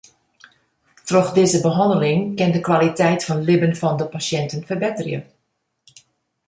Troch dizze behanneling kin de kwaliteit fan libben fan de pasjinten ferbetterje.